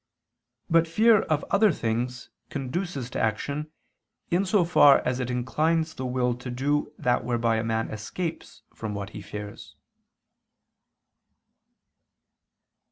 But fear of other things conduces to action, in so far as it inclines the will to do that whereby a man escapes from what he fears.